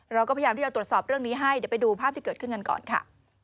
เราก็พยายามที่จะตรวจสอบเรื่องนี้ให้เดี๋ยวไปดูภาพที่เกิดขึ้นกันก่อนค่ะ